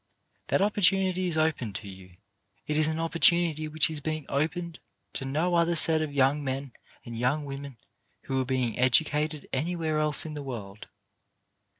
That opportunity is open to you. It is an oppor tunity which is being opened to no other set of young men and young women who are being edu cated anywhere else in the world.